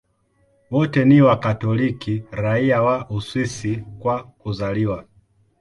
Wote ni Wakatoliki raia wa Uswisi kwa kuzaliwa.